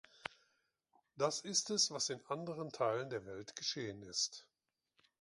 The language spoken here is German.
Das ist es, was in anderen Teilen der Welt geschehen ist.